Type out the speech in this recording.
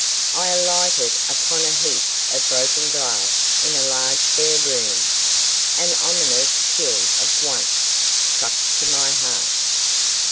I alighted upon a heap of broken glass in a large bare room. An ominous chill at once struck to my heart.